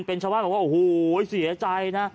เป็นชาวบ้านบอกว่าโอ้โหเสียใจนะ